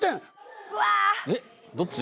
えっ？どっち？